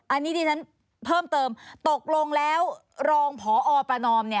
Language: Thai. อันนี้ดิฉันเพิ่มเติมตกลงแล้วรองพอประนอมเนี่ย